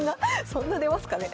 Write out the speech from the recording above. そんな出ますかね。